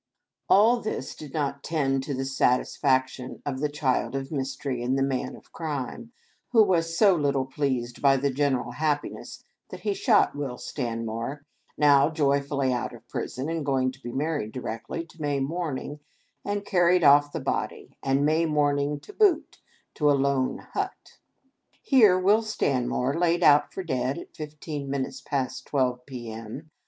All this did not tend to the satisfaction of the Child of Mystery and Man of Crime, who was so little pleased by the general happiness that he shot Wni Stanmore, now joyfully out of prison and going to be married directly to May Morning, and carried off the body, and May Morning to boot, to a lone hut. Here, Will Stanmore, laid out for dead at fifteen minutes past twelve, p.m.